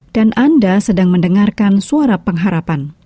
dan anda sedang mendengarkan suara pengharapan